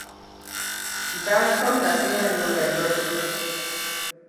Dawson nació en Nueva York.